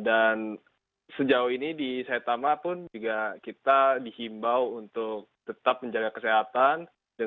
dan sejauh ini di saitama pun juga kita dihimbau untuk tetap menjaga kesehatan